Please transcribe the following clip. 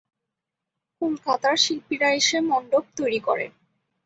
কলকাতার শিল্পীরা এসে মণ্ডপ তৈরি করেন।